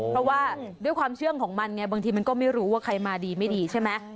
เพราะว่าด้วยความเชื่องของมันไงบางทีมันก็ไม่รู้ว่าใครมาดีไม่ดีใช่ไหม